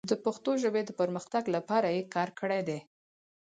د پښتو ژبې د پرمختګ لپاره یې کار کړی دی.